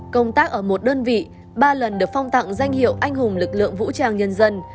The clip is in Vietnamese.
công tác ở một đơn vị ba lần được phong tặng danh hiệu anh hùng lực lượng vũ trang nhân dân